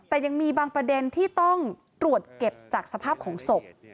แต่ยังมีบางประเด็นที่ต้องตรวจเก็บจากสภาพของศพ